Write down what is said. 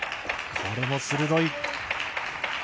これも鋭い。